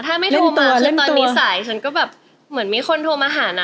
ถ้าไม่โทรมาคือตอนนี้สายฉันก็แบบเหมือนมีคนโทรมาหานะ